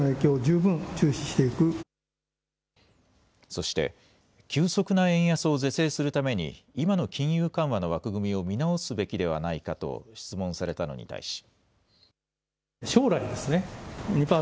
そして急速な円安を是正するために今の金融緩和の枠組みを見直すべきではないかと質問されたのに対し。